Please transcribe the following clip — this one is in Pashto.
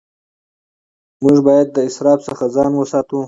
موږ باید د اسراف څخه ځان وساتو